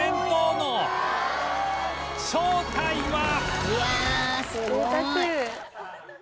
すごい。